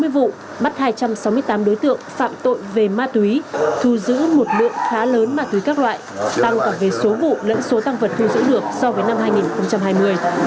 sáu mươi vụ bắt hai trăm sáu mươi tám đối tượng phạm tội về ma túy thu giữ một lượng khá lớn ma túy các loại tăng cả về số vụ lẫn số tăng vật thu giữ được so với năm hai nghìn hai mươi